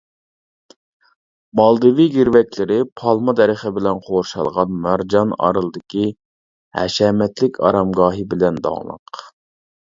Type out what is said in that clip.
مالدىۋې گىرۋەكلىرى پالما دەرىخى بىلەن قورشالغان مارجان ئارىلىدىكى ھەشەمەتلىك ئارامگاھى بىلەن داڭلىق.